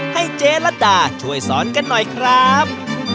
ให้เจ๊รัฐดาช่วยสอนกันหน่อยครับ